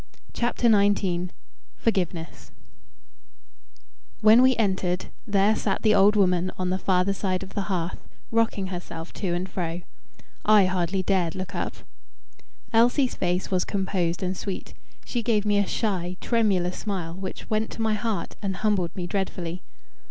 CHAPTER XIX Forgiveness When we entered, there sat the old woman on the farther side of the hearth, rocking herself to and fro. I hardly dared look up. Elsie's face was composed and sweet. She gave me a shy tremulous smile, which went to my heart and humbled me dreadfully.